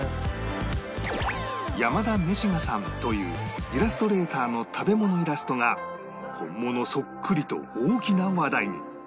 山田めしがさんというイラストレーターの食べ物イラストが本物そっくり！と大きな話題に